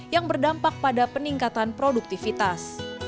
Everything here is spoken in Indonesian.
yang berdampak pada peningkatan produktivitas